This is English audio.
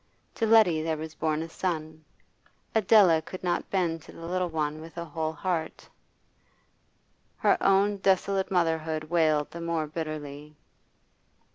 To Letty there was born a son; Adela could not bend to the little one with a whole heart; her own desolate motherhood wailed the more bitterly.